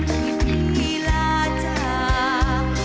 เสียงรัก